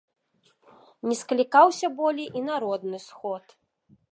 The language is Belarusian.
Не склікаўся болей і народны сход.